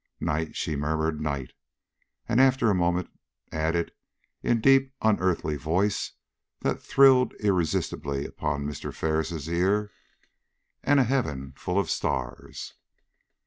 "Night!" she murmured, "night!" and after a moment added, in a deep, unearthly voice that thrilled irresistibly upon Mr. Ferris' ear: "And a heaven full of stars!"